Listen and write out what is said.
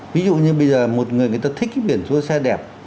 ví dụ như bây giờ một người người ta thích cái biển xua xe đẹp